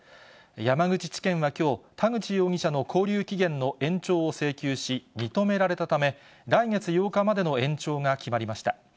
山口地検はきょう、田口容疑者の勾留期限の延長を請求し、認められたため、来月８日までの延長が決まりました。